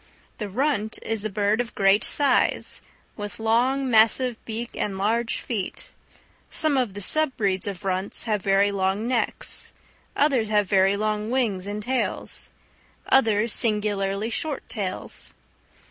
The runt is a bird of great size, with long, massive beak and large feet; some of the sub breeds of runts have very long necks, others very long wings and tails, others singularly short tails.